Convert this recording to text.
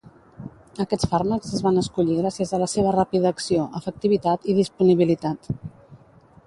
Aquests fàrmacs es van escollir gràcies a la seva ràpida acció, efectivitat i disponibilitat.